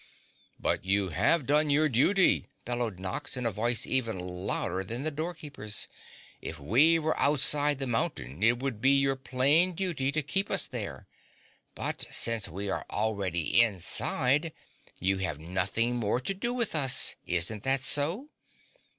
"But you have done your duty," bellowed Nox in a voice even louder than the door keeper's. "If we were outside the mountain it would be your plain duty to keep us there, but since we are already inside, you have nothing more to do with us. Isn't that so?"